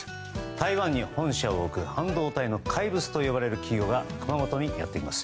台湾に本社を置く半導体の怪物と呼ばれる企業が熊本にやってきます。